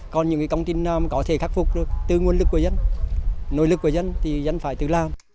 còn những công trình nào có thể khắc phục tư nguồn lực của dân nội lực của dân thì dân phải tự làm